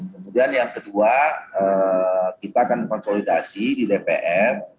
kemudian yang kedua kita akan konsolidasi di dpr